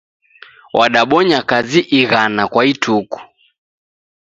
Wadabonya kazi ighana kwa ituku.